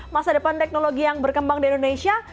masa depan teknologi yang berkembang di indonesia